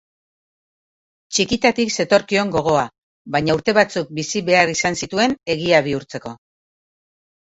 Txikitatik zetorkion gogoa, baina urte batzuk bizi behar izan zituen egia bihurtzeko.